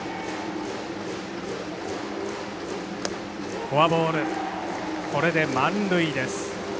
フォアボール、満塁です。